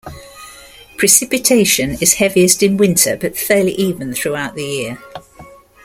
Precipitation is heaviest in winter, but fairly even throughout the year.